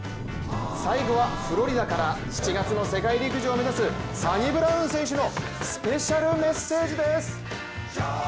最後はフロリダから７月の世界陸上を目指すサニブラウン選手のスペシャルメッセージです。